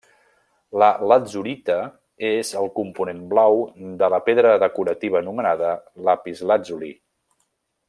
La latzurita és el component blau de la pedra decorativa anomenada lapislàtzuli.